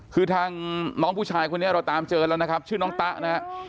คือทางน้องผู้ชายคนนี้เราตามเจอแล้วนะครับชื่อน้องตะนะฮะ